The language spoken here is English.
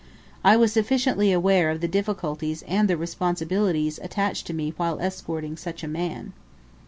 I was sufficiently aware of the difficulties and the responsibilities attached to me while escorting such a man.